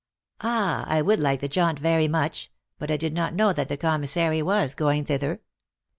"Ah! I would like the jaunt very much. But I tHd not know that the commissary was going thither."